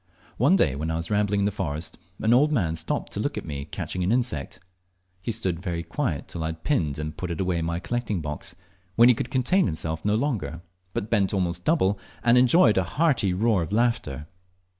One day when I was rambling in the forest, an old man stopped to look at me catching an insect. He stood very quiet till I had pinned and put it away in my collecting box, when he could contain himself no longer, but bent almost double, and enjoyed a hearty roar of laughter.